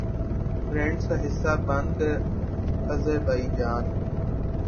trends کا حصہ بن کر آذربائیجان